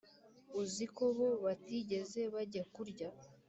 uziko bo batigeze bajya kurya